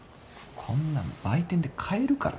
こんなん売店で買えるから。